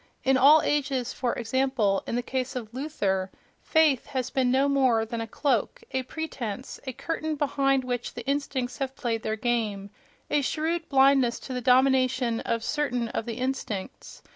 —In all ages—for example, in the case of Luther—"faith" has been no more than a cloak, a pretense, a curtain behind which the instincts have played their game—a shrewd blindness to the domination of certain of the instincts....